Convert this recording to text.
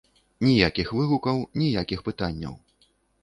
Ніякіх выгукаў, ніякіх пытанняў.